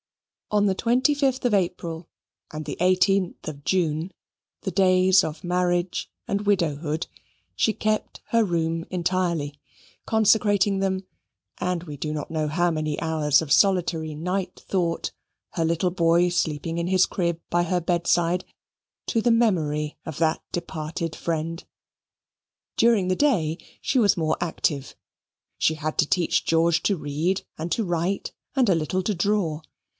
On the twenty fifth of April, and the eighteenth of June, the days of marriage and widowhood, she kept her room entirely, consecrating them (and we do not know how many hours of solitary night thought, her little boy sleeping in his crib by her bedside) to the memory of that departed friend. During the day she was more active. She had to teach George to read and to write and a little to draw.